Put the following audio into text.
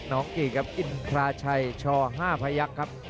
น้องกีกับอินทราชัยช่องภายักษ์ครับ